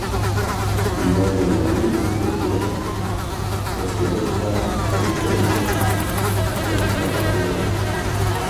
Yoneylem li Tirkiyeyê pirsgirêka herî giring krîza aborî ye.